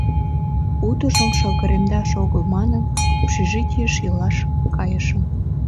Утыжым шыгыремдаш огыл манын, общежитийыш илаш кайышым.